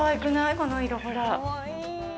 この色、ほら。